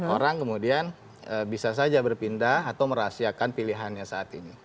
orang kemudian bisa saja berpindah atau merahasiakan pilihannya saat ini